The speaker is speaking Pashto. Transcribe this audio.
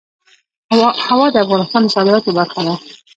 هوا د افغانستان د صادراتو برخه ده.